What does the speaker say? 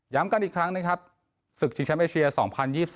ย้ำกันอีกครั้งสรุปฉีนแชมป์แอเชีย๒๐๒๓